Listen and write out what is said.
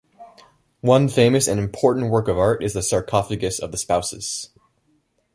One famous and important work of art is the Sarcophagus of the Spouses.